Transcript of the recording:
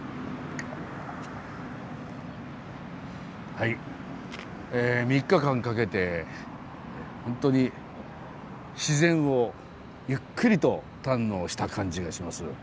はい３日間かけてホントに自然をゆっくりと堪能した感じがします。